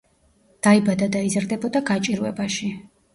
დაიბადა და იზრდებოდა გაჭირვებაში.